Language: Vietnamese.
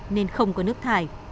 nên không có nước thải